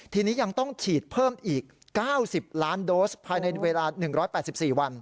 ทีนี้ยังต้องฉีดเพิ่มอีก๙๐ล้านโดสภายในเวลา๑๘๔วัน